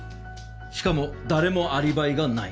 しかも誰もアリバイがない。